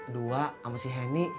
dua sama si henny